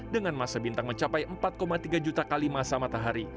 dengan masa bintang mencapai empat tiga juta kali masa matahari